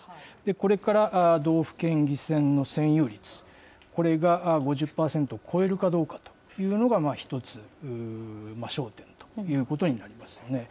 これから道府県議選の占有率、これが５０％超えるかどうかというのが、一つ、焦点ということになりますね。